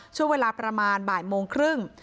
ช่วงเวลาประมาณบ่ายโมงครึ่ง